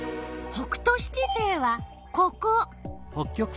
北斗七星はここ。